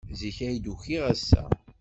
Zik ay d-ukiɣ ass-a.